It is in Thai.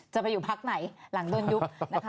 จะไปอยู่พักไหนหลังโดนยุบนะคะ